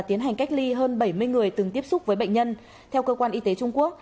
tiến hành cách ly hơn bảy mươi người từng tiếp xúc với bệnh nhân theo cơ quan y tế trung quốc